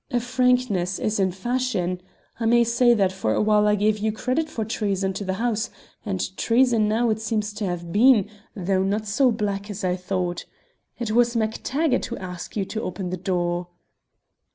As frankness is in fashion, I may say that for a while I gave you credit for treason to the house, and treason now it seems to have been, though not so black as I thought. It was MacTaggart who asked you to open the door?"